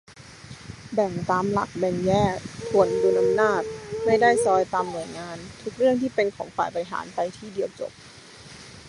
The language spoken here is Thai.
แบ่งตามหลักแบ่งแยก-ถ่วงดุลอำนาจ ไม่ได้ซอยตามหน่วยงาน ทุกเรื่องที่เป็นของฝ่ายบริหาร ไป ที่เดียวจบ